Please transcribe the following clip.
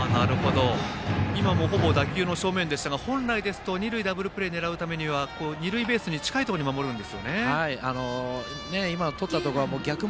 今もほぼ打球の正面でしたが二塁ダブルプレーを狙うためには本来ならば二塁ベースに近いところに守るんですよね。